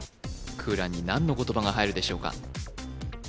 空欄に何の言葉が入るでしょうか？